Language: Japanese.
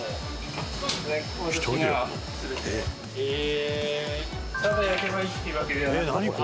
へえ。